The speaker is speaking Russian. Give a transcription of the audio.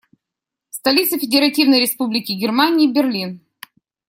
Столица Федеративной Республики Германия - Берлин.